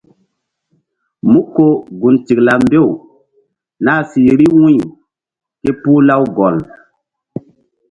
Mú ko gun tikla mbew nah si vbi wu̧y ké puh Lawgɔl.